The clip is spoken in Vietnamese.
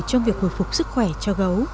trong việc hồi phục sức khỏe cho gấu